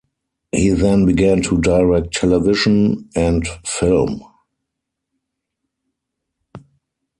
He then began to direct television and film.